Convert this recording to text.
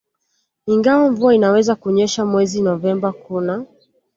ingawa mvua inaweza kunyesha mwezi Novemba Kuna